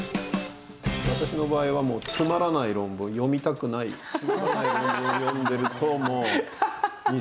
私の場合はつまらない論文読みたくないつまらない論文を読んでると。